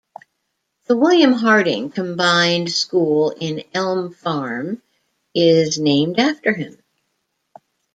The William Harding Combined School in Elm Farm is named after him.